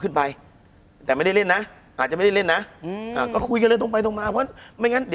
คุณผู้ชมบางท่าอาจจะไม่เข้าใจที่พิเตียร์สาร